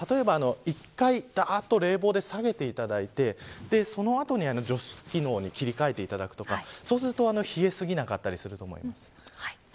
１回冷房で下げていただいてその後に除湿機能に切り替えていただくとかそうすると冷えすぎなかったりすると思います。